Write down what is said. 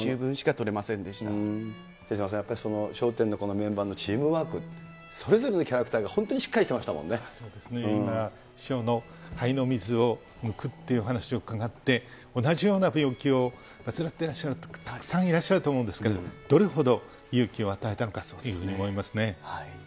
手嶋さん、笑点のメンバーのチームワーク、それぞれのキャラクターが本当にしっかりしてましそうですね、師匠の肺の水を抜くっていう話を伺って、同じような病気を患ってらっしゃる方たくさんいらっしゃると思いますけれども、どれほど勇気を与えたのかというふうに思いますね。